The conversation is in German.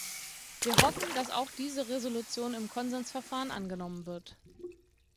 Wir hoffen, dass auch diese Resolution im Konsensverfahren angenommen wird.